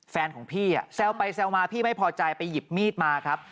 แฟนของพี่แซวไปแซวมาพี่ไม่พอใจไปหยิบมีดมาครับ